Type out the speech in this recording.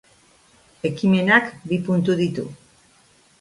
Ekimenak bi puntu ditu.